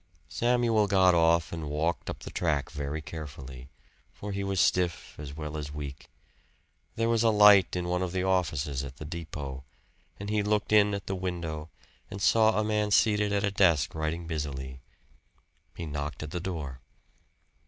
Samuel got off and walked up the track very carefully, for he was stiff as well as weak. There was a light in one of the offices at the depot, and he looked in at the window and saw a man seated at a desk writing busily. He knocked at the door.